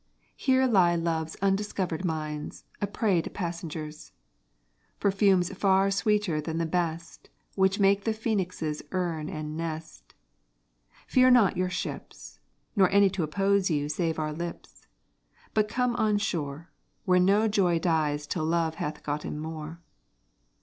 Here lie love's undiscovered mines, A prey to passengers: Perfumes far sweeter than the best Which make the Phoenix's urn and nest. Fear not your ships, Nor any to oppose you save our lips, But come on shore, Where no joy dies till love hath gotten more.